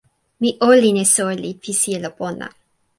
mi olin e soweli pi sijelo pona.